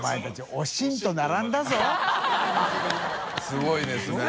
すごいですね。